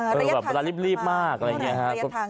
อืมมันแบบบรายละลี่บรีบฮะแบบสิบว่ากิโลอะไรอย่างเงี้ย